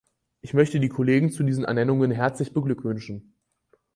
Ich möchte die Kollegen zu diesen Ernennungen herzlich beglückwünschen.